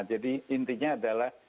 jadi intinya adalah